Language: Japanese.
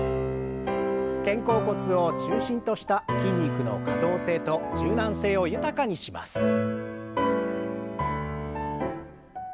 肩甲骨を中心とした筋肉の可動性と柔軟性を豊かにします。